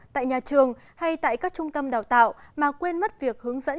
tại nhà trường hay tại các trung tâm đào tạo mà quên mất việc hướng dẫn